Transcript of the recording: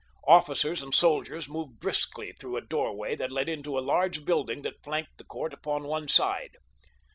Officers and soldiers moved briskly through a doorway that led into a large building that flanked the court upon one side.